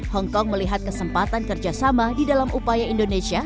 hong kong melihat kesempatan kerjasama di dalam upaya indonesia